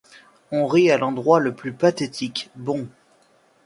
On rit à l’endroit le plus pathétique : Bon !